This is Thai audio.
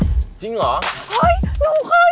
จริงเหรอ